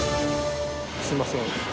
すいません。